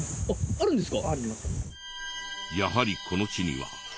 あるんですか？